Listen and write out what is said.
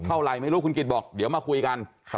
เท่าไหร่ไม่รู้คุณกริจบอกเดี๋ยวมาคุยกัน